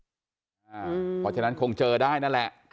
เพราะฉะนั้นคงเจอได้นั่นแหละ